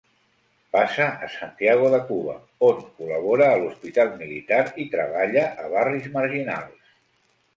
Passa a Santiago de Cuba, on col·labora a l'hospital militar i treballa a barris marginals.